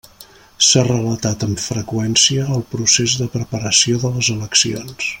S'ha relatat amb freqüència el procés de preparació de les eleccions.